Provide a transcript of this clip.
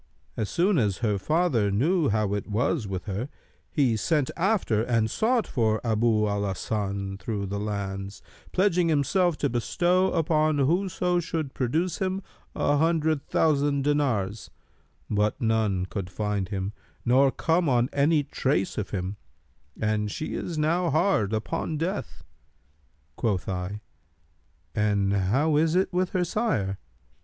As soon as her father knew how it was with her, he sent after and sought for Abu al Hasan through the lands, pledging himself to bestow upon whoso should produce him an hundred thousand dinars; but none could find him nor come on any trace of him; and she is now hard upon death.' Quoth I, 'And how is it with her sire?'